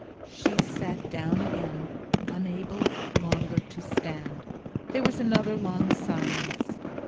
She sat down again, unable longer to stand. There was another long silence.